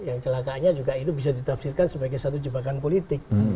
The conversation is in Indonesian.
yang celakanya juga itu bisa ditafsirkan sebagai satu jebakan politik